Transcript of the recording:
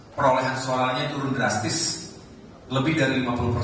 perolehan suaranya turun drastis lebih dari lima puluh persen